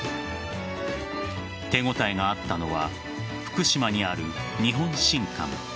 手応えがあったのは福島にある日本伸管。